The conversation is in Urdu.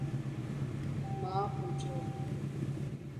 ماپوچے